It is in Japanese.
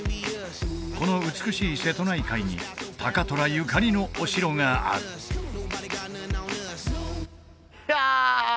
この美しい瀬戸内海に高虎ゆかりのお城があるうわ！